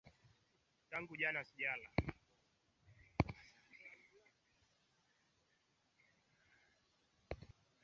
tangu msimu uanze arsenal zile dakika ishirini na tano za kwanza hawajafungwa bao